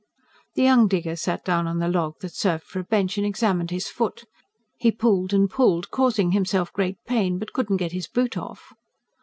The young digger sat down on the log that served for a bench, and examined his foot. He pulled and pulled, causing himself great pain, but could not get his boot off.